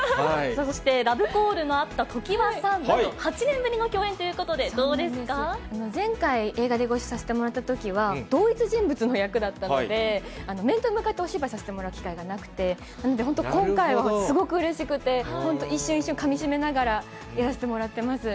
そして、ラブコールのあった常盤さんとは８年ぶりの共演ということで、前回、映画でご一緒させてもらったときは、同一人物の役だったので、面と向かってお芝居させてもらう機会がなくて、本当、今回はすごくうれしくて、本当、一瞬、一瞬かみしめながらやらせてもらってます。